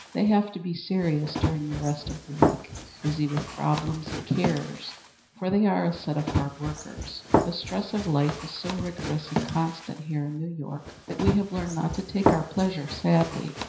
They have to be serious during the rest of the week busy with problems and cares, for they are a set of hard workers. The stress of life is so rigorous and constant here in New York that we have learned not to take our pleasure sadly.